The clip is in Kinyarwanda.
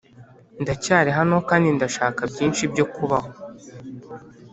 ndacyari hano kandi ndashaka byinshi byo kubaho,